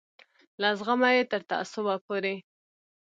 له زغمه یې تر تعصبه پورې.